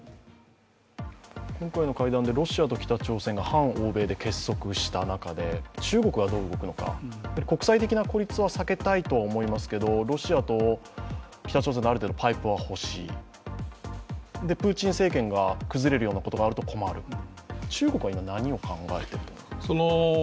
今回の会談でロシアと北朝鮮が反欧米で結束した中で、中国はどう動くのか、国際的な孤立は避けたいとは思いますけど、ロシアと北朝鮮、ある程度、パイプは欲しいプーチン政権が崩れるようなことがあると困る中国は今、何を考えていますか。